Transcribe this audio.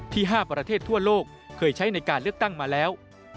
๕ประเทศทั่วโลกเคยใช้ในการเลือกตั้งมาแล้ว